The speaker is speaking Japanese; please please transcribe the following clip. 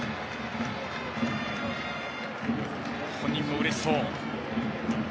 本人もうれしそう。